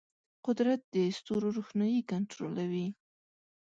قدرت د ستورو روښنايي کنټرولوي.